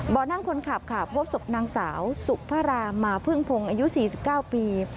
นั่งคนขับค่ะพบศพนางสาวสุภารามาพึ่งพงศ์อายุ๔๙ปี